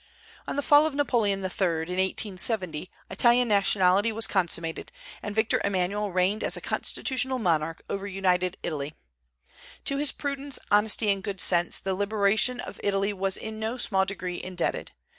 On the fall of Napoleon III. in 1870 Italian nationality was consummated, and Victor Emmanuel reigned as a constitutional monarch over united Italy. To his prudence, honesty, and good sense, the liberation of Italy was in no small degree indebted.